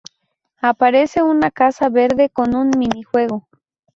Aparece una casa verde con un mini juego.